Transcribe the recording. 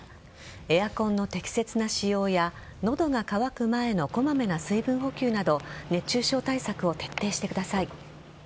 エアコンの適切な使用や喉が渇く前のこまめな水分補給など熱中症対策を徹底してください。